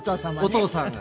お父さんが。